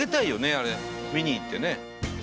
あれ見にいってね